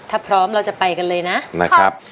ถ้าพร้อมเราจะไปกันเลยนะครับ